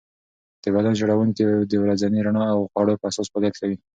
د بدن ژوڼکې د ورځني رڼا او خوړو په اساس فعالیت کوي.